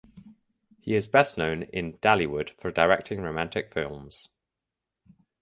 He is best known in Dhallywood for directing romantic films.